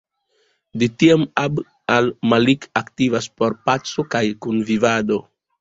De tiam, Abd al Malik aktivas por paco kaj kunvivado.